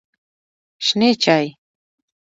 شنې چای